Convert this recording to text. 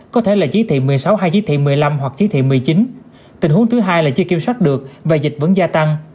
có thể là chỉ thị một mươi sáu hay chỉ thị một mươi năm hoặc chỉ thị một mươi chín tình huống thứ hai là chưa kiểm soát được và dịch vẫn gia tăng